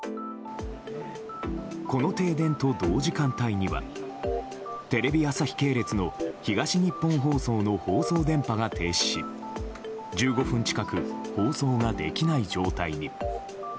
この停電と同時間帯にはテレビ朝日系列の東日本放送の放送電波が停止し１５分近く放送ができない状態に。